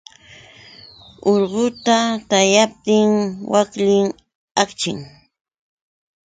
Urquta tamyaptin waklim akchin.